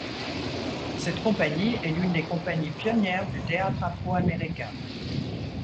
Cette compagnie est l'une des compagnies pionnières du théâtre afro-américain.